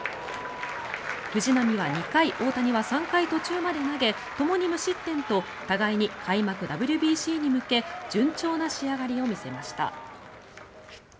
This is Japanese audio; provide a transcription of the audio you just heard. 藤浪は２回大谷は３回途中まで投げともに無失点と互いに開幕、ＷＢＣに向け順調な仕上がりを見せました。